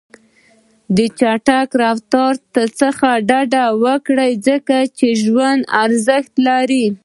د چټک رفتار څخه ډډه وکړئ، ځکه ژوند ارزښت لري.